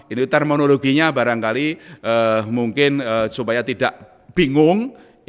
ini termonologinya barangkali mungkin supaya tidak bingung